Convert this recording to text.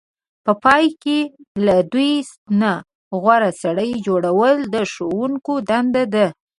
په پای کې له دوی نه غوره سړی جوړول د ښوونکو دنده ده.